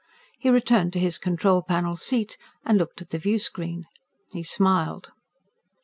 He returned to his control panel seat and looked at the viewscreen. He smiled.